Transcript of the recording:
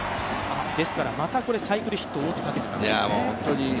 ですからまたこれ、サイクルヒット王手をかけていたんですね。